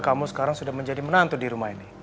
kamu sekarang sudah menjadi menantu di rumah ini